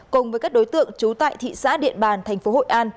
cùng với các đối tượng trú tại thị xã điện bàn thành phố hội an